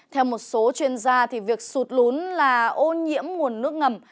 theo một số chuyên gia việc sụt lún là ô nhiễm nguồn nước ngầm